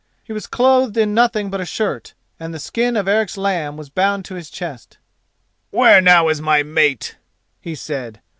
He was clothed in nothing but a shirt and the skin of Eric's lamb was bound to his chest. "Where now is my mate?" he said.